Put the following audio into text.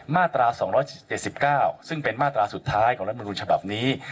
มาตรา๒๗๙ซึ่งเป็นมาตราสุดท้ายของรัฐมนุนฉบับนี้